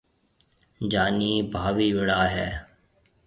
جانِي ڀاوِي وڙائي ھيََََ